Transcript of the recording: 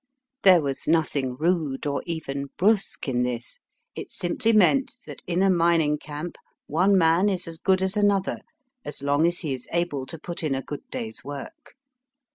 There was nothing rude or even brusque in this. It simply meant that in a mining camp one man is as good as another as long as he is able to put in a good day's work.